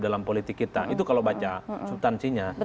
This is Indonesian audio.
dalam politik kita itu kalau baca subtansinya